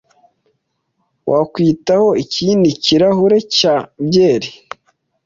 Wakwitaho ikindi kirahure cya byeri?